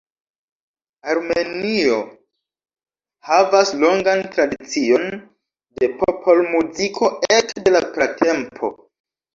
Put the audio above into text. Armenio havas longan tradicion de popolmuziko ekde la pratempo.